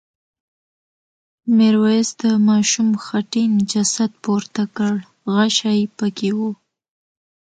میرويس د ماشوم خټین جسد پورته کړ غشی پکې و.